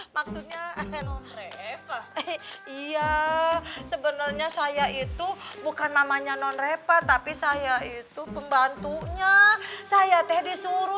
maksudnya iya sebenarnya saya itu bukan mamanya nonrepa tapi saya itu pembantunya saya teh disuruh